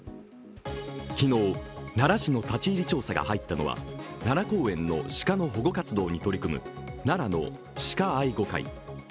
昨日、奈良市の立ち入り調査が入ったのは奈良公園の鹿の保護活動に取り組む奈良の鹿愛護会。